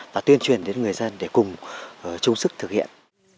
và tuyên truyền đến người dân để cùng chung sức thực hiện